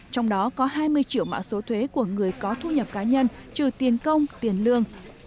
trong đó có hai mươi triệu mạ số thuế của người có thu nhập cá nhân trừ tiền công tiền lương